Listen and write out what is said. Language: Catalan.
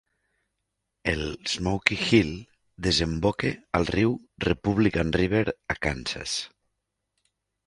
El Smoky Hill desemboca al riu Republican River a Kansas.